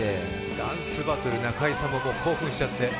ダンスバトル、中居さんも興奮しちゃって。